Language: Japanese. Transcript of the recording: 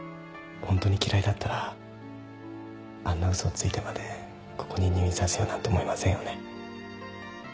ホントに嫌いだったらあんな嘘をついてまでここに入院させようなんて思いませんよね。